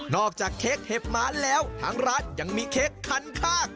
อกจากเค้กเห็บหมาแล้วทางร้านยังมีเค้กคันข้าง